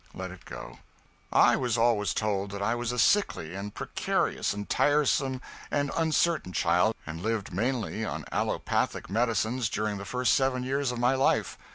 Let it go. I was always told that I was a sickly and precarious and tiresome and uncertain child, and lived mainly on allopathic medicines during the first seven years of my life.